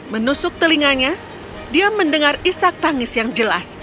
menusuk telinganya dia mendengar isak tangis yang jelas